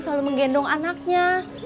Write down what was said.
selalu menggendong anaknya